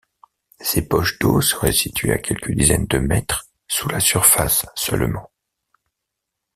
Ces poches d'eau seraient situées à quelques dizaines de mètres sous la surface seulement.